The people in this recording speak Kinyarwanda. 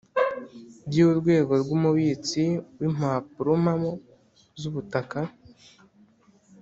By urwego rw umubitsi w impapurompamo z ubutaka